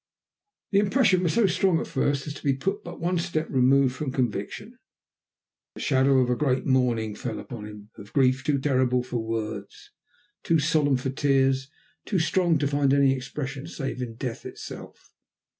The impression was so strong at first as to be but one step removed from conviction. The shadow of a great mourning fell upon him, of a grief too terrible for words, too solemn for tears, too strong to find any expression save in death itself.